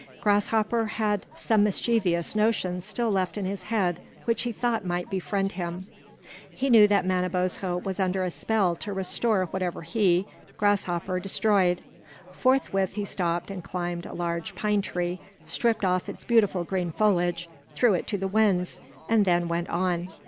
Grasshopper had some mischievous notions still left in his head which he thought might befriend him. He knew that Manabozho was under a spell to restore whatever he, Grasshopper, destroyed. Forthwith he stopped and climbed a large pine tree, stripped off its beautiful green foliage, threw it to the winds, and then went on.